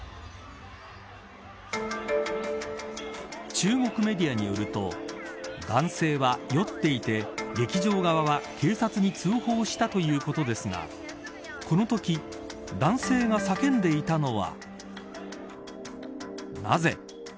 中国メディアによると男性は酔っていて劇場側は警察に通報したということですがこのとき男性が叫んでいたのは。